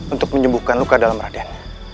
untuk menyembuhkan luka dalam raden